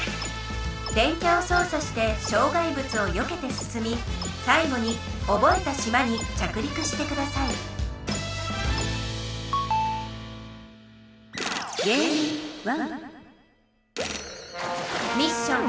電キャを操作して障害物をよけて進み最後に覚えた島に着陸してくださいミッション。